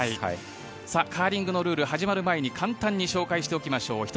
カーリングのルール始まる前に簡単に紹介しておきましょう。